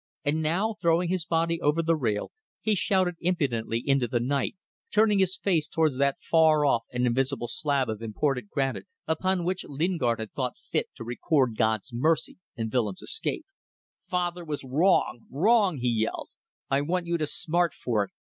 And now, throwing his body over the rail, he shouted impudently into the night, turning his face towards that far off and invisible slab of imported granite upon which Lingard had thought fit to record God's mercy and Willems' escape. "Father was wrong wrong!" he yelled. "I want you to smart for it.